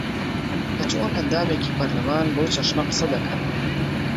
کە چۆن ئەندامێکی پەرلەمان بەو چەشنە قسە دەکات